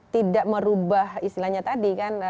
tidak merubah istilahnya tadi kan